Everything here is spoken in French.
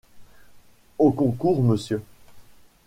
Au concours Mr.